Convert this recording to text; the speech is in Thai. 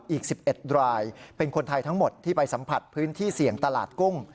อีก๑๑รายเป็นคนไทยทั้งหมดที่ไปสัมผัสพื้นที่เสี่ยงตลาดกุ้ง